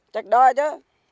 chết đó chứ